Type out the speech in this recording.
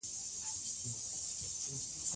که علم عام شي نو جهالت نه پاتې کیږي.